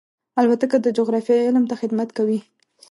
الوتکه د جغرافیې علم ته خدمت کوي.